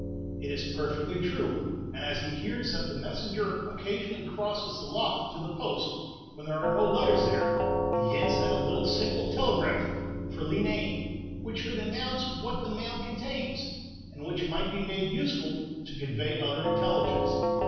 "It is perfectly true; and as he hears that the messenger occasionally crosses the lough to the post, when there are no letters there, he hints at a little simple telegraph for Leenane, which should announce what the mail contains, and which might be made useful to convey other intelligence.